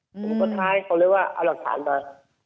ผมก็ท้ายเขาเลยว่าเอาหลักฐานมา